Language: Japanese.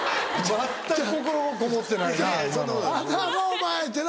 全く心がこもってないな。